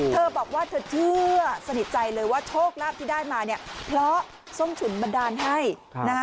เธอบอกว่าเธอเชื่อสนิทใจเลยว่าโชคลาภที่ได้มาเนี่ยเพราะส้มฉุนบันดาลให้นะคะ